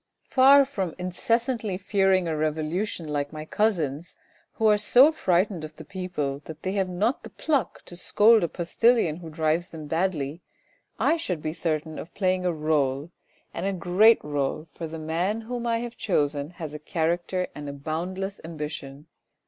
Far from incessantly fearing a revolution like my cousins who are so frightened of the people that they have not the pluck to scold a postillion who drives them badly, I should be certain of playing a role and a great role, for the man whom I have chosen has a character and a boundless ambition.